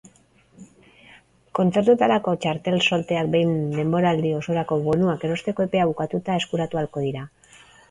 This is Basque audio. Kontzertuetarako txartel solteak behin denboraldi osorako bonuak erosteko epea bukatuta eskuratu ahalko dira.